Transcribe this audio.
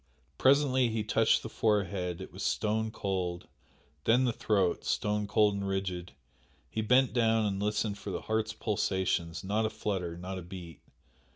Presently he touched the forehead it was stone cold then the throat, stone cold and rigid he bent down and listened for the heart's pulsations, not a flutter not a beat!